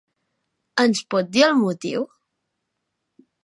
Ens pot dir el motiu?